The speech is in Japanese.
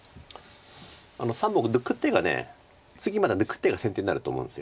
３目抜く手が次また抜く手が先手になると思うんです。